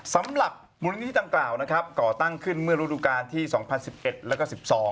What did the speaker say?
สำหรับมูลนิธิดังกล่าวนะครับก่อตั้งขึ้นเมื่อฤดูกาลที่๒๐๑๑แล้วก็๑๒